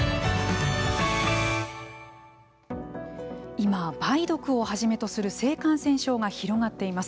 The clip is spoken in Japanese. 今、梅毒をはじめとする性感染症が広がっています。